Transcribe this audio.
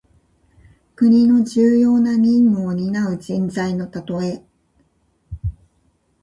国の重要な任務をになう人材のたとえ。